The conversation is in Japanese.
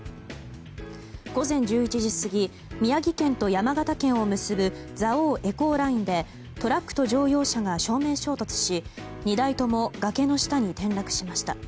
午前１１時過ぎ宮城県と山形県を結ぶ蔵王エコーラインでトラックと乗用車が正面衝突し２台とも崖の下に転落しました。